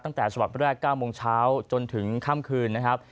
ตั้งแต่ฉบับแรก๙โมงเช้าจนถึงค่ำคืนนะครับ